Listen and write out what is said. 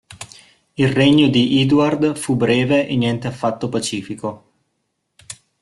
Il regno di Edward fu breve e niente affatto pacifico.